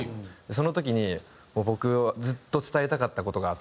その時に僕ずっと伝えたかった事があって。